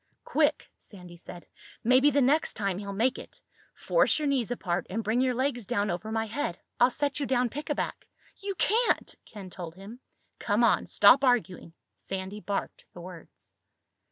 "Quick!" Sandy said. "Maybe the next time he'll make it. Force your knees apart and bring your legs down over my head. I'll set you down pickaback." "You can't!" Ken told him. "Come on. Stop arguing." Sandy barked the words.